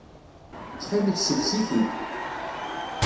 Ttxilek ssegzi-t-id.